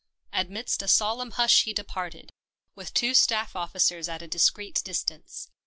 Amidst a solemn hush he departed — with two staff officers at a discreet distance.